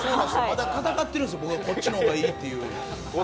まだ戦っているんですよ、こっちの方がいいという。